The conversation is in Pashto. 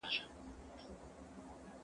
زه پرون موسيقي واورېده!